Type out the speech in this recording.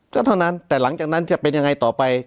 ก็เท่านั้นแต่หลังจากนั้นจะเป็นยังไงต่อไป